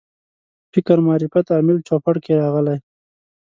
فکر معرفت عامل چوپړ کې راغلي.